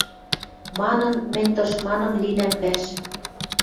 Манын, мӹнь тышманым линӓм вӓш.